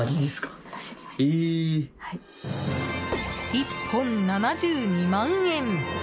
１本７２万円。